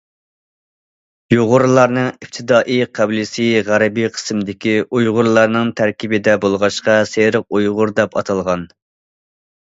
يۇغۇرلارنىڭ ئىپتىدائىي قەبىلىسى غەربىي قىسىمدىكى ئۇيغۇرلارنىڭ تەركىبىدە بولغاچقا، سېرىق ئۇيغۇر دەپ ئاتالغان.